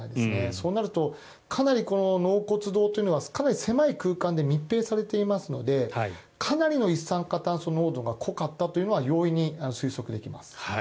そうなると、納骨堂はかなり狭い空間で密閉されていますのでかなりの一酸化炭素濃度が濃かったというのは容易に推測できます。